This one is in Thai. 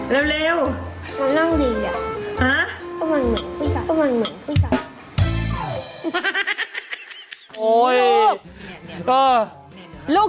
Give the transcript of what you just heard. สบัดข่าวเด็ก